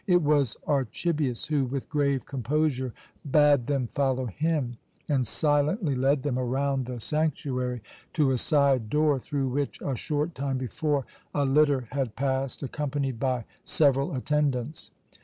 It was Archibius, who with grave composure bade them follow him, and silently led them around the sanctuary to a side door, through which, a short time before, a litter had passed, accompanied by several attendants.